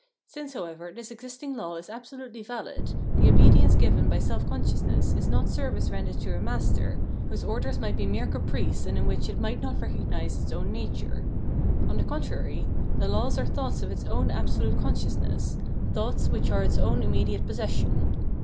Since, however, this exist ing law is absolutely vahd, the obedience given by self consciousness is not service rendered to a master, whose orders might be mere caprice and in which it might not recognise its own nature. On the con trary, the laws are thoughts of its own absolute con sciousness, thoughts which are its own immediate posses sion.